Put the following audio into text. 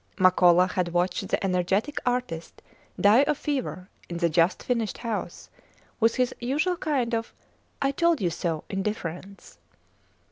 Makola had watched the energetic artist die of fever in the just finished house with his usual kind of I told you so indifference.